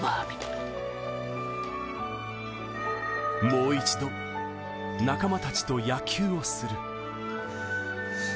もう一度仲間たちと野球をする。